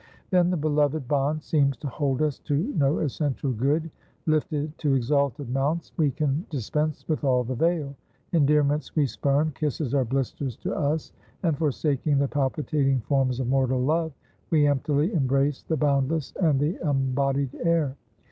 Then the beloved bond seems to hold us to no essential good; lifted to exalted mounts, we can dispense with all the vale; endearments we spurn; kisses are blisters to us; and forsaking the palpitating forms of mortal love, we emptily embrace the boundless and the unbodied air.